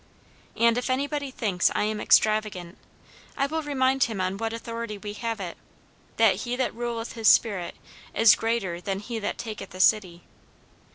And if anybody thinks I am extravagant, I will remind him on what authority we have it, that "he that ruleth his spirit is greater than he that taketh a city."